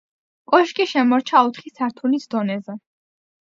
კოშკი შემორჩა ოთხი სართულის დონეზე.